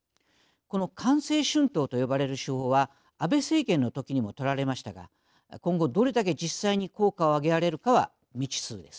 この官製春闘と呼ばれる手法は安倍政権のときにもとられましたが今後どれだけ実際に効果をあげられるかは未知数です。